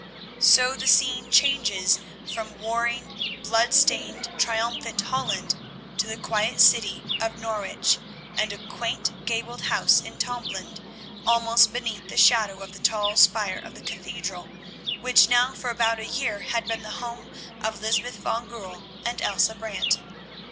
So the scene changes from warring, blood stained, triumphant Holland to the quiet city of Norwich and a quaint gabled house in Tombland almost beneath the shadow of the tall spire of the cathedral, which now for about a year had been the home of Lysbeth van Goorl and Elsa Brant.